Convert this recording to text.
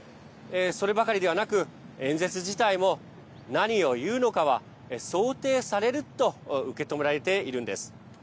そればかりではなく演説自体も何を言うのかは想定されると受け止められているんです。